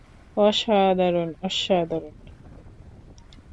অসাধারণ, অসাধারণ!